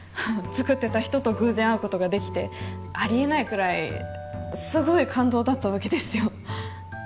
作ってた人と偶然会うことができてありえないくらいすごい感動だったわけですよ